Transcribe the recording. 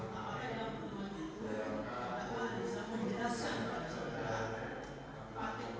saya daripada saudara pak